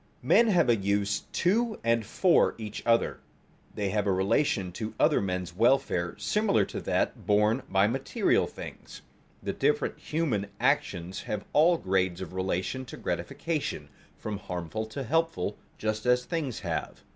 Men have a use to and for each other; they have a relation to other men's welfare similar to that borne by material things. The different human actions have all grades of relation to gratification, from harmful to helpful, just as things have.